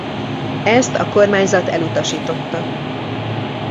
Ezt a kormányzat elutasította.